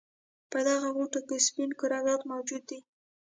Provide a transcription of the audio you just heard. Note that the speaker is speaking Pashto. په دغه غوټو کې سپین کرویات موجود دي.